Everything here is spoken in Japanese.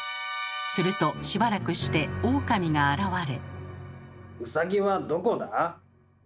するとしばらくしてオオカミが現れ。